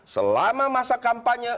selama masa kampanye